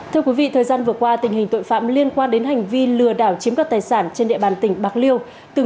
thưa quý vị thời gian vừa qua tình hình tội phạm liên quan đến hành vi lừa đảo chiếm đoạt tài sản trên địa bàn tỉnh bạc liêu